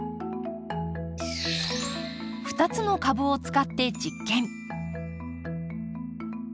２つの株を使って実験。